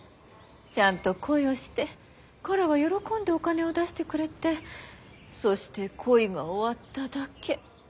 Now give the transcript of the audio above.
ちゃんと恋をして彼が喜んでお金を出してくれてそして恋が終わっただけ。